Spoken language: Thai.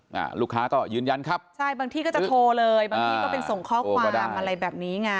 อ่าลูกค้าก็ยืนยันครับใช่บางที่ก็จะโทรเลยบางที่ก็เป็นส่งข้อความอะไรแบบนี้ไง